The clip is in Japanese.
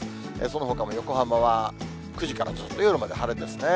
そのほかも横浜は９時からずっと夜まで晴れですね。